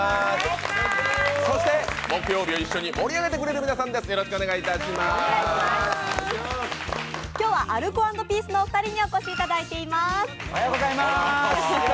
そして木曜日を一緒に盛り上げてくれる皆さんです今日はアルコ＆ピースのお二人に来ていただいています。